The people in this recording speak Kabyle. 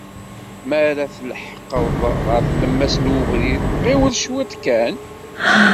Mi ara tleḥqeḍ ɣer tlemmas n ubrid, ɣiwel cwiṭ kan.